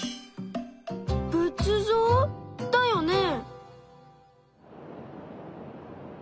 仏像だよね？